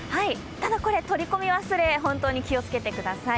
ただ、これ取り込み忘れ本当に気をつけてください。